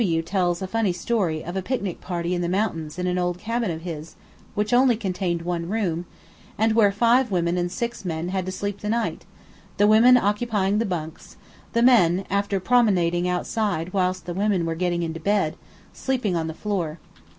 W tells a funny story of a picnic party in the mountains in an old cabin of his, which only contained one room, and where five women and six men had to sleep the night, the women occupying the bunks, the men (after promenading outside whilst the women were getting into bed) sleeping on the floor.